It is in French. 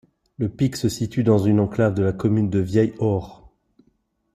Le pic se situe dans une enclave de la commune de Vielle-Aure.